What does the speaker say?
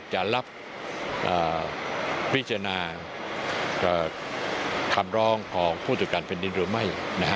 จะรับพิจารณาคำร้องของผู้ตรวจการแผ่นดินหรือไม่